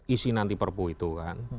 isi nanti perpu itu kan